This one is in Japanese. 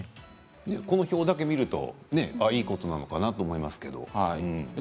この表だけ見るといいことなのかなと思いますけど。